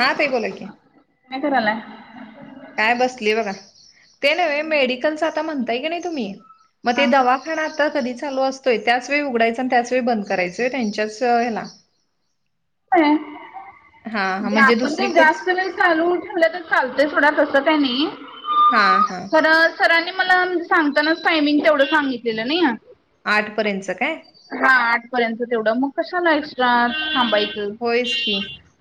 हा ताई बोला की. काय करालाय? काय बसली बघा. ते नवे मेडिकलच आता म्हणताय की नाही तुम्ही मग ते हा दवा तर आता कधी चालू असतोय त्याच वेळी उघडायच अन त्याच वेळी बंद करायच त्यांच्याच ह्याला. [unintelligible] हा हा म्हणजे आपण नाही दुसरीकड जास्त वेळेस चालू ठेवलं तर चालतय सोडा तसं काय नाही. हा हा. तर सरांनी मला सांगतानाच टायमिंग तेवढं सांगितलेलं नाही अ आठपर्यंतचं काय? हा. आठ पर्यंत तेवढं मग कशला एक्स्ट्रा थांबायचं होयच की.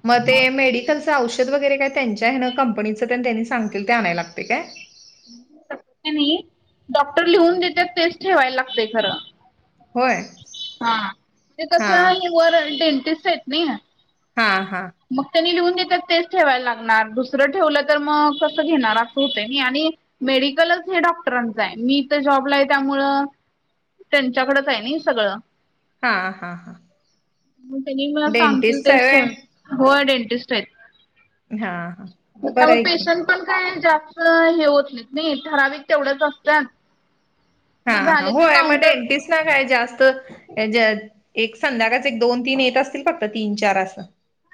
म ते मग मेडिकल औषध वगैरे काय त्यांच्या हेन कंपनीचं ते त्यांनी सांगतील ते आणाय लागते काय? तस काही नाही. डॉक्टर लिहून देतात तेच ठेवायला लागते खरं. होय. हा. ते कस हा हे वर डेंटिस्ट आहेत नी. हा हा. मग त्यांनी लिहून देतात तेच ठेवायला लागणार दुसरं ठेवलं तर मग कसं घेणार अस होते नी आणि मेडिकलच हे डॉक्टरांचं आहे. मी इथे जॉबला आहे त्यामुळ त्यांच्याकडच आहे नी सगळं. हा हा हा. म त्यांनी मला सांगतील डेंटिस्टच आहे तेच ठेव. व्हय हो डेंटिस्ट आहेत. हा हा मग त्या बरं म आहे की पेशंट पण काय जास्त हे होत नाहीत नी. ठराविक तेवढ्याच असत. म झालं की म काउंटर डेंटिस्ट ना काय जास्त यांच्यात एक संध्याकाळच एक दोन तीन येत असतील फक्त तीन चार असं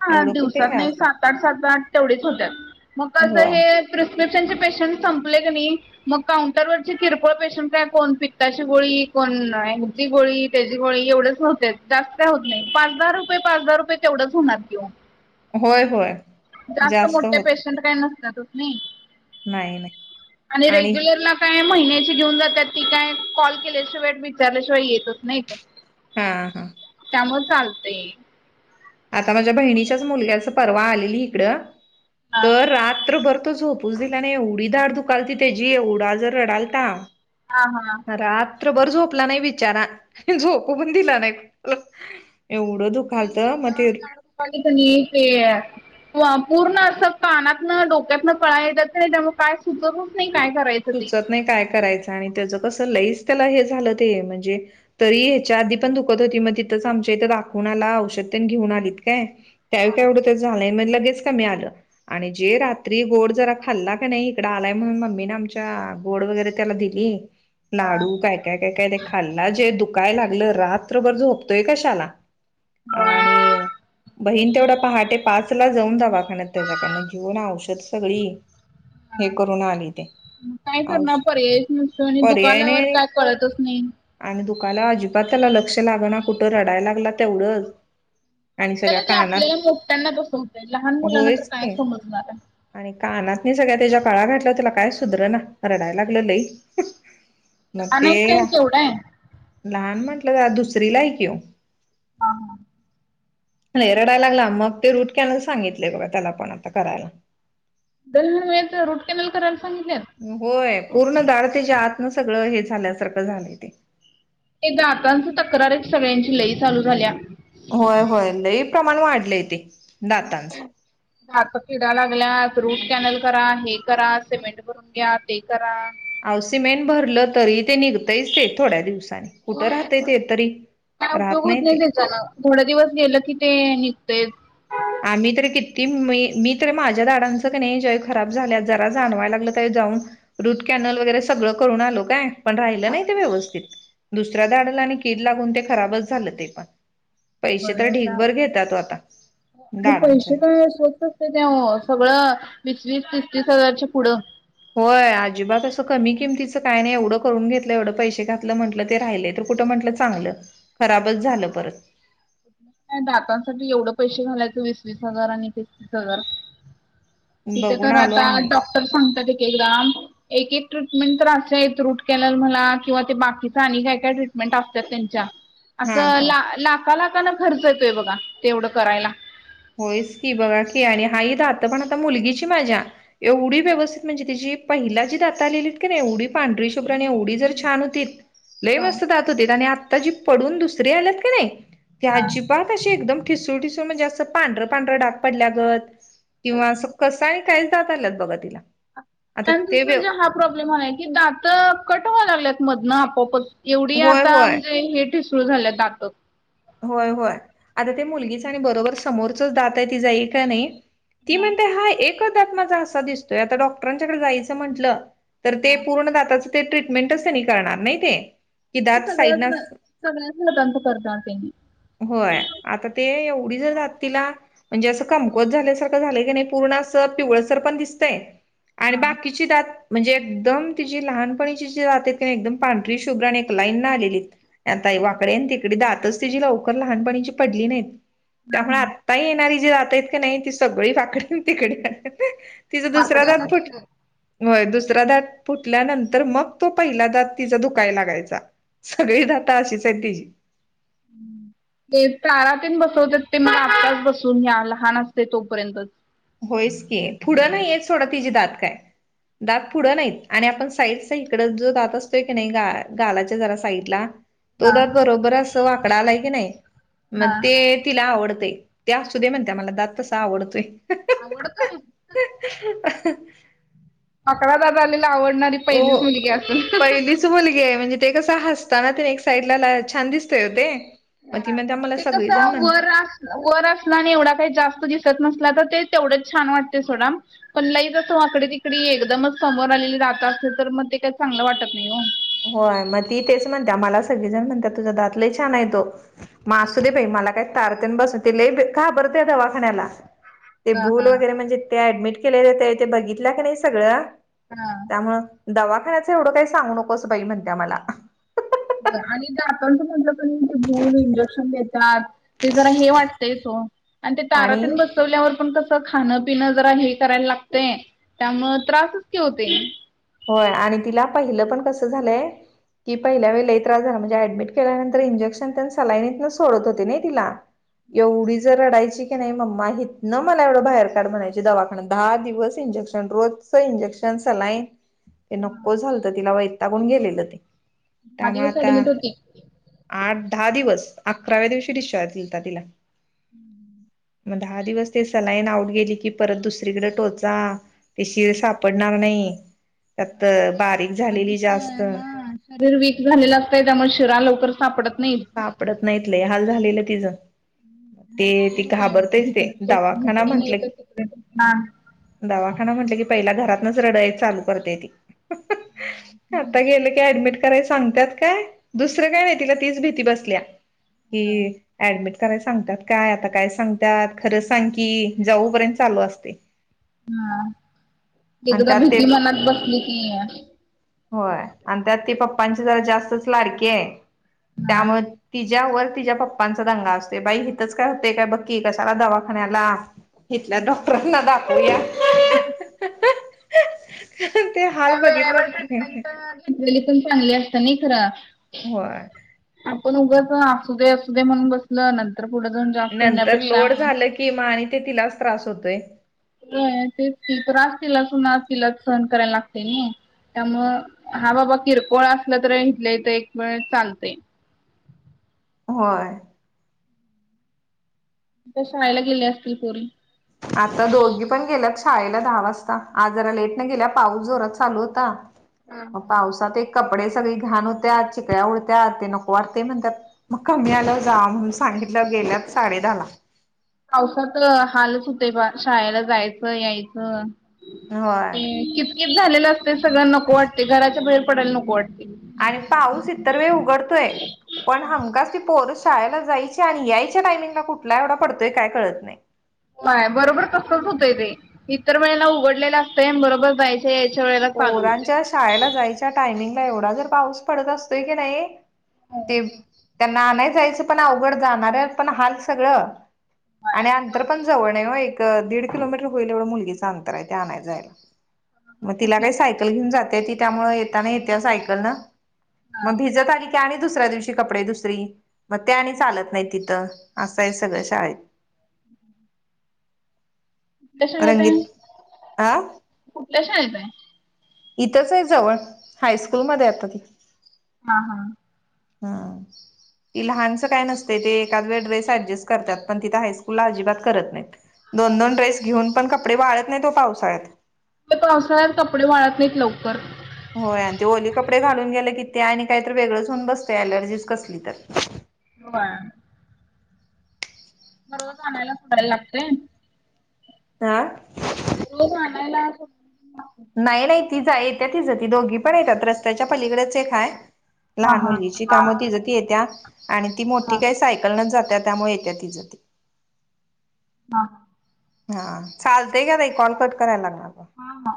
ह एवढं कुठे दिवसात हे नाही असं सात आठ सात आठ तेवढेच होत्यात. मग कस होय हे प्रिस्क्रिप्शनचे पेशंट संपले का नी मग काउंटरवररची किरकोळ पेशन काय, कोण पिक्ताची गोळी कोण ती गोळी त्याची गोळी एवढेच होते जास्त काय होत नाही. पाच दहा रुपये पाच दहा रुपये तेवढंच होणार. होय होय जास्त मोठे पेशंट नाही नाही आणि रेग्युलरला प काय महिन्याची घेऊन जातात ती काय कॉल केल्याशिवाय विचारल्याशिवाय येतच नाही का हा हा त्यामुळ चालते. आता माझ्या बहिणीच्याच मुलग्याच परवा आलेली इकडं हा तर रात्रभर तो झोप हुस दिला नी एवढी दाड दुखालती त्याची एवढा जर रडालता. हा हा रात्रभर झोपला नाही बिचारा झोप पण दिल नाही. एवढं दुखालत मग ते पाणी तणी ते पूर्ण असं कानातनं डोक्यातन कळा येतात की नाही त्यामुळे काय सुचतच नाही काय करायचं ते. सुचत नाही काय करायचं आणि त्याचं कसं लईच त्याला हे झालं ते म्हणजे तरी या्याच्या आधी पण दुखत होती मग तिथंच आमच्या इथं दाखवून आला औषध पण घेऊन आलीत काय त्यावे का एवढं तर झालंय मग लगेच कमी आलं आणि जे रात्री गोड जरा खाल्ला का नाही इकड आलाय म्हणून मम्मीने आमच्या बोड वगैरे त्याला दिली लाडू काय काय काय काय ते खाल्ला जे दुखय लागलं रात्रभर झोपतोय का शाला आणि बहीण तेवढा पहाटे पाच ला जाऊन दवाखान्या त्याच्याक जीवन औषध सगळी हे करून आली ते काय करणार औष पर्यायच नसतो आणि पर्याय दुकाालावर नाही काय कळतच नाही आणि दुखाला अजिबात त्याला लक्ष लाग ना कुठं रडायला लागला तेवढंच आणि सगळ्या आपल्याला ते आपल्या कानात हे मोठ्यांना कसं होतंय लहान मुलांना तर होयच काय की समजणार आहे आणि कानातने सगळ्या त्याच्या काळा घातला त्याला काय सुधर ना रडाय लागलं लई आणि टाइम मे केवढा आहे. लहान म्हटलं का दुसरी ला ऐक येव नाही रडाय लागला मग ते रूट केलाचं सांगितलंय बघा त्याला पण आता करायला दल रोट कॅनल करायला सांगितलेत होय पूर्ण दाड त्याच्या आतनं सगळं हे झाल्यासारखं झालंय ते ते दाताांची तक्रार एक सगळ्यांची लई चालू झाल्या होय होय लई प्रमाण वाढलेय ते दातांचं घात किडा लागल्या रूट कॅनल करा हे करा सिमेंट करून घ्या ते करा औसीमेंट भरलं तरी ते निघतंयच ते थोड्या दिवसाांनी कुठं होय राहतय ते काय तरी राहत नाही ते थोड दिवस गेलं की ते निघतय आम्ही तररी किती म मी तर माझ्या दडडांचं क नाही जय खराब झाल्या जरा जाणवायला लागलं तरी जाऊन रूट कॅनल वगैरे सगळं करून आलो काय पण राहिलं नाही ते व्यवस्थित दुसऱ्या दाडला आणि कीड लागून ते खराबच झालं ते पण पैसे तर बर ढीकभर घेत तो आता आणि दाडांच्या पैसे का असवच असते ते सगळं वीस वीस तीस तीस हजारचे पुढं होय अजिबात असं कमी किमतीचं काय नाही एवढं करून घेतलं एवढं पैसे घातलं म्हटलं ते राहिले कुठं म्हटलं चांगलं खराबच झालं परत डातांसाठी एवढं पैसे घालायचं वीस वीस हजार आणि तेतीस हजार तिथे बघून तर आलो आता आम्ही डॉक्टर सांगतात एक एकदा एक एक ट्रीटमेंट तर असं आहेत रूट कॅनल मला किंवा ते बाकीच आणि काय काय ट्रीटमे म ट असतात त्यांच्या हा असं हा ला लाख लाखांना खर्च येतोय बघा ते एवढं करायला होयच की बघा की आणि हा ह ात पण आता मुलगीची माझ्या एवढी व्यवस्थित म्हणजे तिची पहिला जी दाता लहिलीत की एवढी पांढरी शुभ्र आणि एवढी जर छान होती लय हा मस्त दात हो आणि आता जी पडून दुसरी आल्यात की नाही ते अजिबात क एकदम ठिसूळ ठिसू म्हणजे असं पांढं पांढरंडाग पडल्या लागत किंवा, कसं आहे काय जात आलंत बघा तिला, आता त्यांच ते व्य म्हणजे हा प्रॉब्लेम आलाय की दात कटवा लागल्यात मधनं आपोआपच, एवढी होय आता होय म्हणजे हे ठिसरू झाल्या तात होय होय आता ते मुलगीच आणि बरोबर समोरचच दाता ती जाईल का नाही. ती म्हणते हा एकच दात् माझा असा दिसतोय आता डॉक्टरांच्याकडे जायचं म्हंटलं तर ते हा पूर्ण दाताचं ते ट्रीटमेंटच त्यांनी करणार नाही ते कि दात सगळ्याच साईडन सगळ्या झाला बप करत त्यांनी होय आता ते एवढी जर जात तिला म्हणजे असं कमकवत झाल्यासारखं झालं की नाही पूर्ण अस पिवळसर पण दिसतय आणि बाकी शीितात म्हणजे एकदम तिची लहानपणीची जी जाते एकदम पांढरी शुभ्र आणि एक लाईन ना आलेली आताई वाकडे तिकडे दातच तिची लवकर लहानपणीची पडली नाहीत त्यामुळे, त येणारी जी जातयत काी नाही ती सगळी पाकडन तिकडे, तिचा दुसरा वाकडे आल्यात दातपुट, सगळे. होय दुसरा दात फुटल्यानंतर मग तो पहिला दात तिचा धुकाय लागायचा, सगळी दाता अशीच आहे तिची, ते तारातन बसवत ते मला आत्ताच बसून या्या लहान असते तोपर्यंत, होयच की पुढं नाहीयेत थोडं तिचीे दात काय, दात पुढं नाहीत आणि आपण साईडचा इकड जो दात असतोय की नाही ग गालाच्या जरा साईडला, तो हा दत बरोबर अस वाकडा आलाय की नाही हा. मग ते, तिला आवडतय त्या सुध म्हणत्या मला दात तसा आवडतोय. आवडतोय. [inaudible] वाकडा दात आलेला आवडणारी, पहिलीच मुलगी असेल. हो पहिलीच मुलगी आहे म्हणजे ते कस हसता ना तने एक साईड ला छान दिसते होते. ह ते कस वर, वर असला आणि एवढा काही जास्त दिसत नसला तर ते तेवढंच छान वाटते सोडा. पण लई जसो आकडे तिकडी एकदमच समोर आलेली राहत असते तर मग ते काही चांगलं वाटत नाही हो. होय मग ती तेच म्हणत मला सगळेजण म्हणतात तुझ्या दातला छान आहे तो. मासू दे हम्म बाई मला काही तारतेन बस ति ल घाबरत या दवाखान्याला, ते हा भूल हा वगैरे म्हणजे ते ऍडमिट केले जाते ते बघितलं का नाही सगळं, हा. दवाखान्याच एवढं काही सांगू नकोस बाई म्हणत्या मला, आणि आपण त म्हणलंल इंजेक्शन देतात. ते जरा हे वाटतंयच हो आणि ते तारातून आणि बस, वल्यावर पण कस खाणं पिण जरा हे करायला लागत त्यामु त्रासच क होते. होय आणि तिला पहिलं पण कसं झालंय. ती पहिल्या वेलाही त्रास झाला म्हणजे ऍडमिट केल्यानंतर इंजेक्शन त्यां सलायनीतन सोडत होते ना तिला, हा. एवढी जर रडायची. नाही मम्मा ह ना मला एवढं बाहेर काढ बनायचे दवाखाना दहा दिवस इंजेक्शन रोज, सो इंजेक्शनसला आहे. ते नको झालत तिला वैतागून गेलेलं ते दहा त्यामुळे दिवस आता, ऍडमिट होती आठ दहा दिवस अकराव्या दिवशी निश्चतीललता तिला, हम्म मग दहा दिवस ते सलाईन आऊट गेली की परत दुसरीकडे टोचा, ते शिर सापडणार नाही त्यातत बारीक आधीच झालेली जास्त, हा शरीर वीक झालेलं असतंय त्यामुळे शिरा लवकर सापडत नाहीत. आपडत नाहीत हल झालेलं तिजं, ते ती डॉक्टरांना काय ओ घाबरतेस ते हिकडं टोचलं दवाखाना हिकडं नाही म्हटलं कि, तर तिकडं टोचला हा दवाखाना म्हटलं की पहिला घरातच रडाई चालू करते ती आता गे ते ऍडमिट कराय सांगतात काय दुसरं काय नाही तिला तीच भीती बसल्या. कि ऍडमिट. खरं कराय सांगतात काय सांगतात खरं सांग की जाऊपर्यंत चालू असते. हा आणि एकदा त्यात ते भीती मनात बसली की‌, होय आणि त्यात ती पप्पांची जरा जास्तच लाडकी आहे हा त्यामुळे, तिच्या्यावर तिच्या पप्पांचा दंगा असते बाई हिथच काय होते काय बक्की कशला दवाखान्याला, इथल्या डॉक्टरांना दाखवया, का वेळेवर ट्रीटमेंट घेतलेली पण चांगली असत ना खरं, होय. आपण उगाच असू दे असूद म्हणून बसल नंतर पुढं जाऊ. नंतर लोड झालं कि माहिती आणि ते तिलाच त्रास होतोय. होय तेच तर त्रास तिलाच होणार तिलाच सहन करायला लागते ना. त्यामुळ हा बाबा किरकोळ असला तररी इथलंयथ एक वेळस चालत. होय. आता शायला गेले असतील पोरी. आता दोघी. पण गेलात शाळेला दहा वाजता आज जरा लेट न गेल्या पाऊस जोरात चालू होता. मग पावसात एक कपडे सगळी घाण होत्या चिकळ्या उडत्या ते नको वाटते म्हणतात. मग कमी आलं जा म्हणून सांगितलं गेल्या साडे दहा ला. पावसाात हालच होत बा शाळेला जायचं यायचं. होय ते कितकित झालेलं असते सगळंना नको वाटते घराच्या बाहेर पडायला नको वाटते. आणि पाऊस इतर वेळ उघडतोय. पण हमकाच ती पोरस शाळेला जायची आणि यायच्या टायमिंगला कुठला एवढा पडतोय काय कळत नाही. काय बरोबर कसच होतंय ते इतर वेळेला उघडलेलं असतंय बरोबर जायचं. ते या्याच्या वेळेला चालू होते. पोरांच्या शाळेला जायच्या टायमिंगला एवढा जर पाऊस पडत असतोय की नाही ते. त्यांना आनाय जायचं पण अवघड जाणार आहे पण हाल सगळं. आणि अंतर पण जवळ आहे एक दीड किलोमीटर होईल एवढा मुलगीचं अंतर आहे ते आणाय जायला. मग तिला कुठल्या काही शाळेत सायकल आहे? घेऊन जाते ती त्यामुळे येताना येते सायकल ना. मग भिजत आली की आणि दुसऱ्या दिवशी कपडे दुस ्री मग ते आणि चालत नाही तिथं असं आहे सगळं शाळेत. कुठल्याश शाळेत रंगीत आहे हा कुठल्या शाळेत आहे. इथंच आहे जवळ हायस्कूलमध्ये आता ती. हा हा. हा. ती लहानचं काय नसतय, ते एकाद वेळ ड्रेस ॲडजस्ट करतात, पण तिथं हायस्कूलला अजिबात करत नाहीत. दोन दोन ड्रेस घेऊन पण कपडे वाळत नाही ओ पावसाळ्यात. पावसाळ्यात कपडे वाळत नाहीत लवकर. होय, आणि ते ओली कपडे घालून गेले कि ते आणि काहीत वेगळंच होऊन बसतय, ऍलर्जीच कसली तर. होय. मग रोज आणायला सोडायला लागतय. आ रोज आणायला सो नाही नाही ती, जा येत्या तीच ती, दोघी पण येतात रस्त्याच्या पलीकडेच एक हाय हा लहान हा मुलीची, हा त्यामुळे तिजं ती येत्या, आणि ती मोठी हा काही सायकल न जात्या त्यामुळे येत्या तिजं ती. हा. हा, चालतय घ्या ताई, कॉल कट करायला लागणार. हा हा.